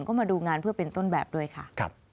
ก็มาดูงานเพื่อเป็นต้นแบบด้วยค่ะ